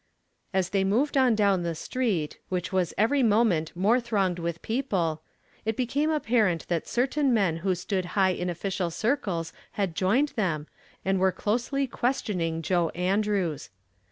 As they moved on down the street, which was every moment more thronged with people, it became a})parent that certain men who stood high in official circles had joined them, and were closely questioning Joe Andrews.